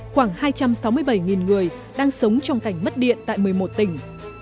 khoảng hai trăm sáu mươi bảy người đang sống trong cảnh mất điện tại một mươi một tỉnh